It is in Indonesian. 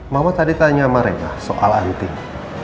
mama tadi tanya sama rena soal anting